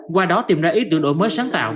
qua đó tìm ra ý tưởng đổi mới sáng tạo